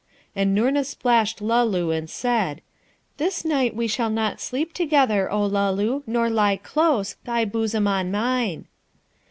And Noorna splashed Luloo, and said, 'This night we shall not sleep together, O Luloo, nor lie close, thy bosom on mine.'